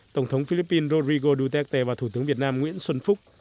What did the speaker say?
tổng thống philippines dorigo duterte và thủ tướng việt nam nguyễn xuân phúc